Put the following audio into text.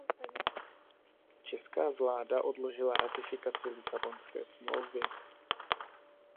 Česká vláda odložila ratifikaci Lisabonské smlouvy.